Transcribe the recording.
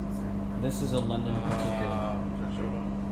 This is a London particular.